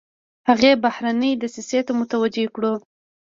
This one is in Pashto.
هغې بهرنۍ دسیسې ته متوجه کړو.